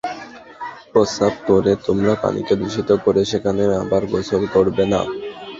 প্রস্রাব করে তোমরা পানিকে দূষিত করে সেখানে আবার গোসল করবে না।